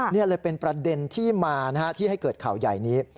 นี่เลยเป็นประเด็นที่มาที่ให้เกิดข่าวใหญ่นี้